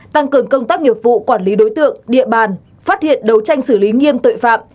tăng cường công tác nghiệp vụ quản lý đối tượng địa bàn phát hiện đấu tranh xử lý nghiêm tội phạm